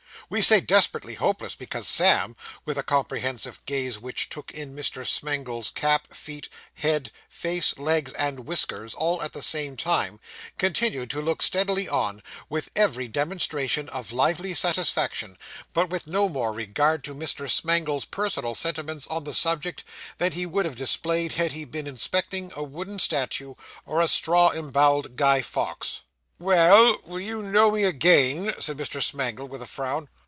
We say desperately hopeless, because Sam, with a comprehensive gaze which took in Mr. Smangle's cap, feet, head, face, legs, and whiskers, all at the same time, continued to look steadily on, with every demonstration of lively satisfaction, but with no more regard to Mr. Smangle's personal sentiments on the subject than he would have displayed had he been inspecting a wooden statue, or a straw embowelled Guy Fawkes. 'Well; will you know me again?' said Mr. Smangle, with a frown.